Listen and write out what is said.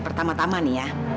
pertama tama nih ya